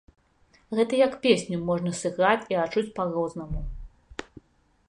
Гэта як песню можна сыграць і адчуць па-рознаму.